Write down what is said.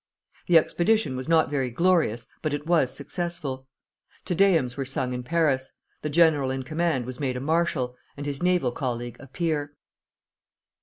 The expedition was not very glorious, but it was successful. Te Deums were sung in Paris, the general in command was made a marshal, and his naval colleague a peer.